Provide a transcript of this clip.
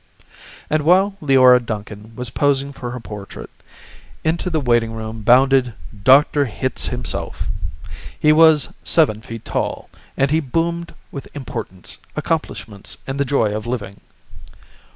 And, while Leora Duncan was posing for her portrait, into the waitingroom bounded Dr. Hitz himself. He was seven feet tall, and he boomed with importance, accomplishments, and the joy of living.